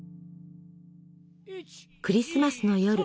クリスマスの夜。